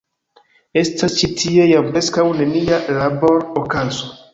Estas ĉi tie jam preskaŭ nenia labor-okazo.